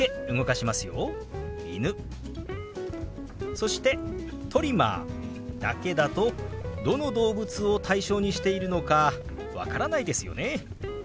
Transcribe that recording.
そして「トリマー」だけだとどの動物を対象にしているのか分からないですよね。